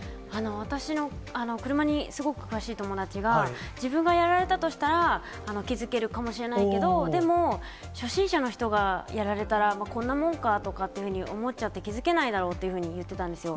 私の車にすごい詳しい友達が、自分がやられたとしたら気付けるかもしれないけど、でも、初心者の人がやられたら、こんなもんかとかって、思っちゃって、気付けないだろうって言ってたんですよ。